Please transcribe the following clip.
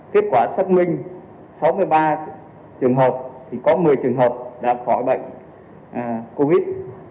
kết quả xác minh sáu mươi ba trường hợp thì có một mươi trường hợp đã khỏi bệnh covid